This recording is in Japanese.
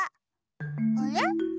あれ？